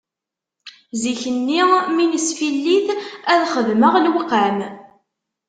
Zik-nni mi nesfillit, ad xedmeɣ lewqam